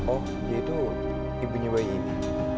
oh dia itu ibunya bayi